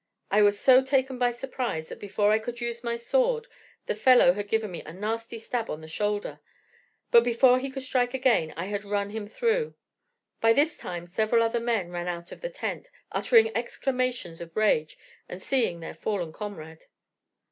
I was so taken by surprise that before I could use my sword the fellow had given me a nasty stab on the shoulder; but before he could strike again I had run him through. By this time several other, men ran out of the tent, uttering exclamations of rage at seeing their fallen comrade.